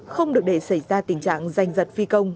không được để xảy ra tình trạng danh giật phi công